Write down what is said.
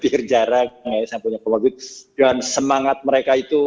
kelihatannya masih muda muda jadi yang punya comorbid hampir jarang semangat mereka itu